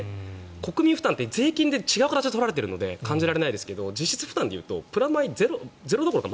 国民負担って税金で違う形で取られているので感じられないですけど実質負担だとプラマイゼロどころか